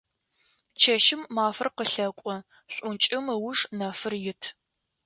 Чэщым мафэр къылъэкӏо, шӏункӏым ыуж нэфыр ит.